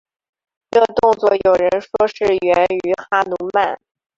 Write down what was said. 这动作有人说是源于哈奴曼。